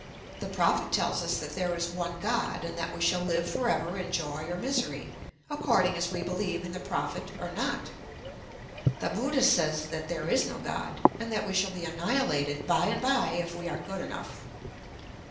The Prophet tells us that there is one God, and that we shall five for ever in joy or misery, according as we believe in the Prophet or not. The Buddha says that there is no God, and that we shall be annihilated by and by if we are good enough.